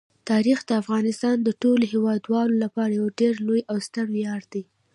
تاریخ د افغانستان د ټولو هیوادوالو لپاره یو ډېر لوی او ستر ویاړ دی.